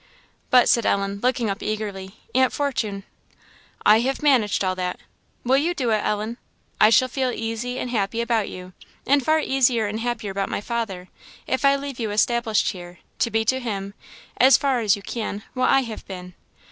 "But," said Ellen, looking up eagerly "Aunt Fortune" "I have managed all that. Will you do it, Ellen? I shall feel easy and happy about you, and far easier and happier about my father, if I leave you established here, to be to him, as far as you can, what I have been.